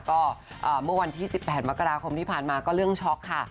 ก็เมื่อวันที่๑๘มกราคมที่ผ่านมาก็เรื่องช็อกค่ะ